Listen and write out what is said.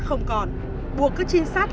không còn buộc các trinh sát